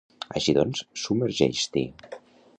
Així doncs, submergeix-t'hi.